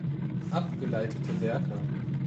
Abgeleitete Werke.